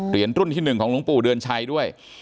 เหรียญรุ่นที่หนึ่งของหลวงปู่เดือนชัยด้วย